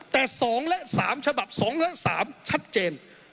แต่๒และ๓ฉบับ๒และ๓ชัดเจน